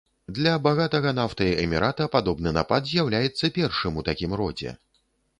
Для багатага нафтай эмірата падобны напад з'яўляецца першым у такім родзе.